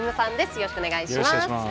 よろしくお願いします。